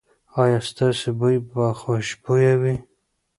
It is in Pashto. ایا ستاسو بوی به خوشبويه وي؟